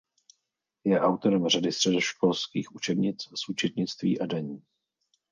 Je autorem řady středoškolských učebnic z účetnictví a daní.